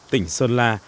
tỉnh sơn la